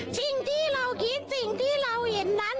สิ่งที่เราคิดสิ่งที่เราเห็นนั้น